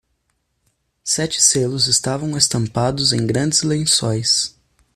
Sete selos estavam estampados em grandes lençóis.